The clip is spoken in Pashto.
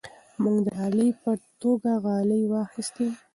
موږ د ډالۍ په توګه غالۍ واخیستې.